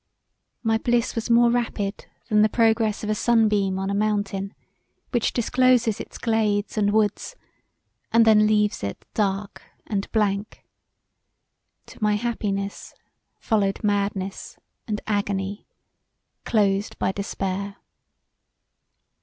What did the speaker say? My bliss was more rapid than the progress of a sunbeam on a mountain, which discloses its glades & woods, and then leaves it dark & blank; to my happiness followed madness and agony, closed by despair.